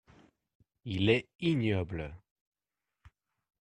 Il est ignoble.